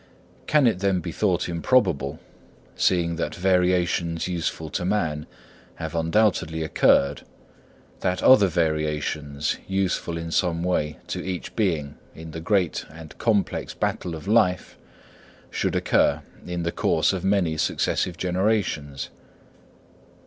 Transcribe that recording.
Can it then be thought improbable, seeing that variations useful to man have undoubtedly occurred, that other variations useful in some way to each being in the great and complex battle of life, should occur in the course of many successive generations?